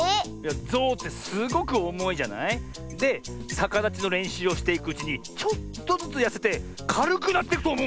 ゾウってすごくおもいじゃない？でさかだちのれんしゅうをしていくうちにちょっとずつやせてかるくなってくとおもうんだよ。